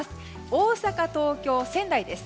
大阪、東京、仙台です。